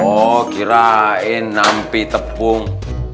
oh kirain nampi tepung